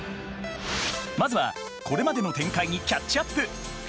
まずはこれまでの展開にキャッチアップ！